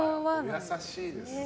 お優しいですね。